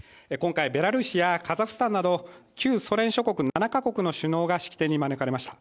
今回、ベラルーシやカザフスタンなど旧ソ連諸国７か国の首脳が式典に招かれました。